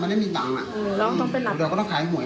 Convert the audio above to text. ถามแค่นี้ส่วนใหญ่ก็ถามแค่นี้